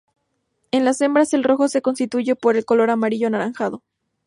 En las hembras el rojo se sustituye por un color amarillo anaranjado.